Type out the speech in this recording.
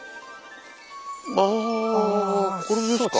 あぁこれですか。